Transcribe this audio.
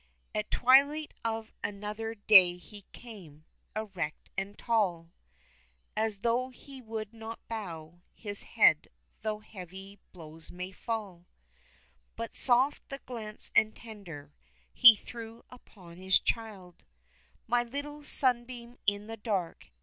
At twilight of another day he came erect and tall, As though he would not bow his head though heavy blows might fall, But soft the glance and tender, he threw upon his child, "My little Sunbeam in the dark!"